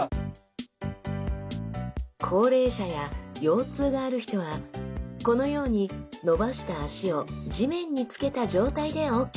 高齢者や腰痛がある人はこのように伸ばした脚を地面につけた状態でＯＫ。